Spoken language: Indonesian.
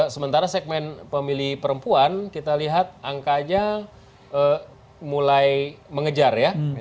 sementara segmen pemilih perempuan kita lihat angkanya mulai mengejar ya